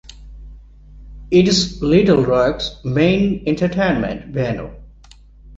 It is Little Rock's main entertainment venue.